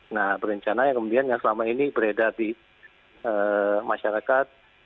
nah berencana yang kemudian yang selama ini beredar di masyarakat